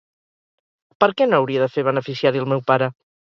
Per què no hauria de fer beneficiari el meu pare?